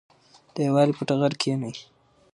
د یووالي په ټغر کېنئ.